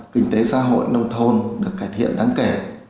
kinh tế xã hội nông thôn được cải thiện đáng kể